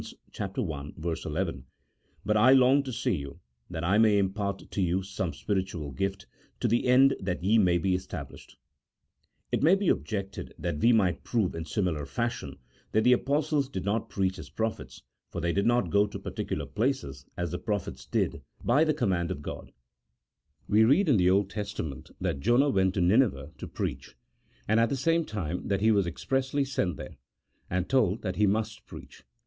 i. 11, " But I long to see you, that I may impart to you some spiritual gift, to the end that ye may be established." It may be objected that we might prove in similar fashion that the Apostles did not preach as prophets, for they did not go to particular places, as the prophets did, by the 160 A THEOLOGICO POLITICAL TKEATISE. [CHAP. XI. command of God. We read in the Old Testament that Jonah went to Nineveh to preach, and at the same time that he was expressly sent there, and told that he mnst preach.